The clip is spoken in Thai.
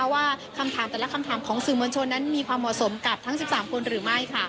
ว่าคำถามแต่ละคำถามของสื่อมวลชนนั้นมีความเหมาะสมกับทั้ง๑๓คนหรือไม่